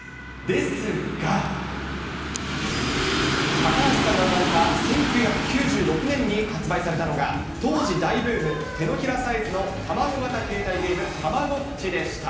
高梨さんが生まれた１９９６年に発売されたのは、当時大ブーム、手のひらサイズの卵型携帯ゲーム、たまごっちでした。